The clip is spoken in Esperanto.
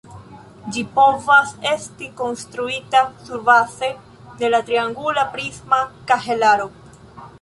Ĝi povas esti konstruita surbaze de la triangula prisma kahelaro.